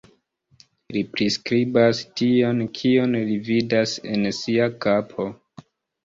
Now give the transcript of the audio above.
Li priskribas tion kion li vidas en sia kapo.